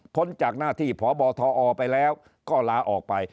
้นจากหน้าที่พบทอไปแล้วก็ลาออกไป